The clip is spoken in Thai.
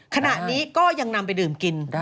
ขณะนี้ก็ยังนำไปดื่มกิน